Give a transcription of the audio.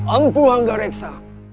ampu hangga reksa